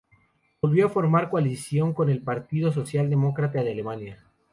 Volvió a formar coalición con el Partido Socialdemócrata de Alemania.